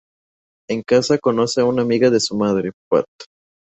En casa conoce a una amiga de su madre, Pat.